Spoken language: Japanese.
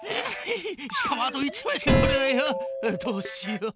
どうしよう。